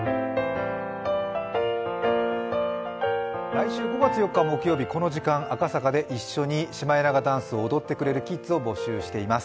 来週５月４日木曜日赤坂で一緒にシマエナガダンスを踊ってくれるキッズを募集しています。